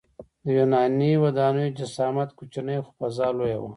د یوناني ودانیو جسامت کوچنی خو فضا لویه وه.